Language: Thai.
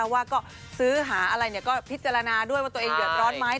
ว่าก็ซื้อหาอะไรก็พิจารณาด้วยว่าตัวเองเดือดร้อนไหม